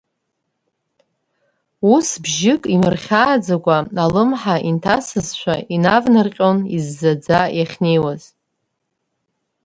Ус бжьык, имырхьааӡакәа алымҳа инҭасызшәа, инавнарҟьон, иззаӡа иахьнеиуаз.